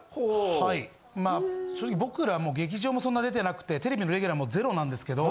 はい正直僕ら劇場もそんな出てなくてテレビのレギュラーもゼロなんですけど。